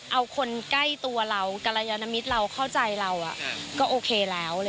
เอาคนใกล้ตัวเรากรยานมิตรเราเข้าใจเราก็โอเคแล้ว